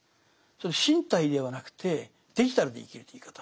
身体ではなくてデジタルで生きるという生き方。